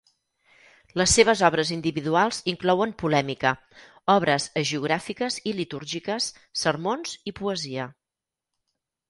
Les seves obres individuals inclouen polèmica, obres hagiogràfiques i litúrgiques, sermons i poesia.